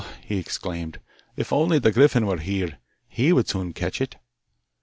he exclaimed, 'if only the griffin were here, he would soon catch it.